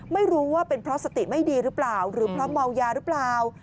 ไม่รู้ว่าเป็นเพราะสติไม่ดีหรือเปล่าหรือเพราะเมายาหรือเปล่า